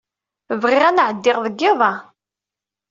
Bɣiɣ ad n-ɛeddiɣ deg yiḍ-a.